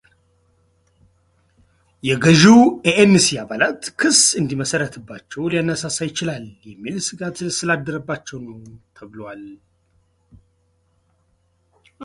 የገዢው ኤኤንሲ አባላት ክስ እንዲመሰረትባቸው ሊያነሳሳ ይችላል የሚል ስጋት ስላደረባቸው ነው ተብሏል።